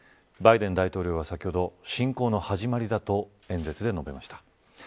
バイデン大統領は先ほど侵攻の始まりだと演説で述べました。